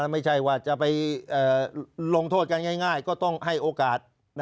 ไม่ใช่ว่าจะไปลงโทษกันง่ายก็ต้องให้โอกาส